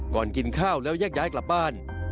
กินข้าวแล้วแยกย้ายกลับบ้าน